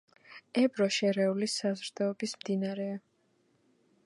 ებრო შერეული საზრდოობის მდინარეა.